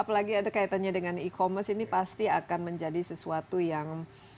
apalagi ada kaitannya dengan e commerce ini pasti akan menjadi sesuatu yang